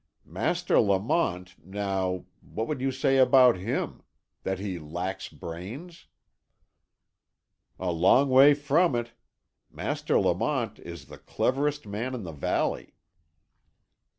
Master Lamont, now what would you say about him? That he lacks brains?" "A long way from it. Master Lamont is the cleverest man in the valley."